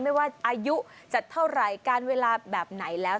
ไม่ว่าอายุจะเท่าไหร่การเวลาแบบไหนแล้ว